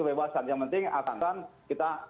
kebebasan yang penting akan kita